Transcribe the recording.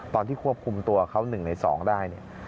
ตอนที่ควบคุมตัวเขาหนึ่งในสองได้